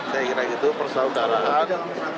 saya kira itu persaudaraan